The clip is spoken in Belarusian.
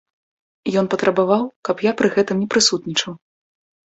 Ён патрабаваў, каб я пры гэтым не прысутнічаў.